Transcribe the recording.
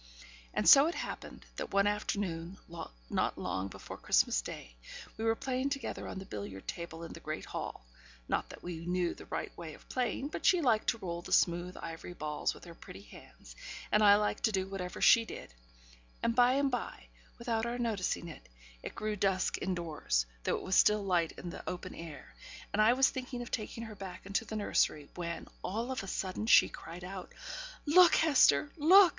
And so it happened, that one afternoon, not long before Christmas day, we were playing together on the billiard table in the great hall (not that we knew the right way of playing, but she liked to roll the smooth ivory balls with her pretty hands, and I liked to do whatever she did); and, by and by, without our noticing it, it grew dusk indoors, though it was still light in the open air, and I was thinking of taking her back into the nursery, when, all of a sudden, she cried out, 'Look, Hester! look!